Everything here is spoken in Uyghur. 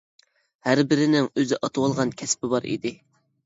ھەر بىرىنىڭ ئۆزى ئاتىۋالغان كەسپى بار ئىدى.